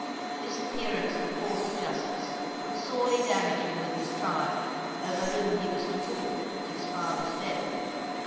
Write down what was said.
This appearance in a court of justice would sorely damage him with his tribe, over whom he was to rule at his father's death.